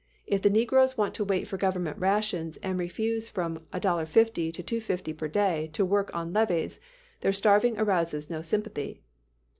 If the negroes want to wait for government rations and refuse from $1.50 to $2.50 per day to work on levees, their starving arouses no sympathy.